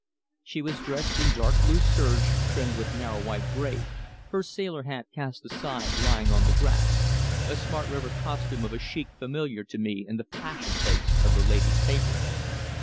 She was dressed in dark blue serge trimmed with narrow white braid, her sailor hat cast aside lying on the grass, a smart river costume of a chic familiar to me in the fashion plates of the ladies' papers.